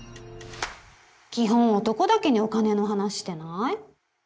基本男だけにお金の話してない？